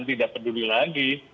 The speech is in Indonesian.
tidak peduli lagi